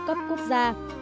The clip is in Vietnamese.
cấp quốc gia